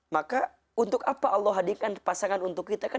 maka untuk apa allah hadirkan pasangan untuk kita kan